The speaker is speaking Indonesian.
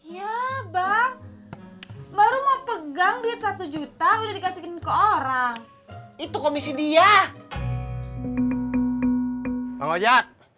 ya bang baru mau pegang duit satu juta udah dikasihin ke orang itu komisi dia